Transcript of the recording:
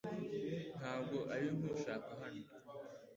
Ntabwo ari nkushaka hano .